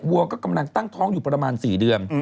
วัวก็กำลังตั้งท้องอยู่ประมาณ๔เดือน